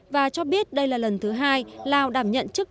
và cho biết đây là lần thứ hai lào đảm nhận chứng minh